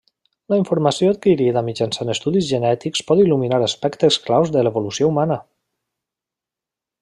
La informació adquirida mitjançant estudis genètics pot il·luminar aspectes clau de l'evolució humana.